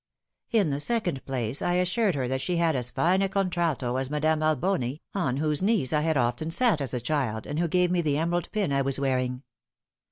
In the second place I assured her that she had as fine a contralto as Madame Alboni, on whose knes I had often sat as a child, and who gave me the emerald pin I was wearing."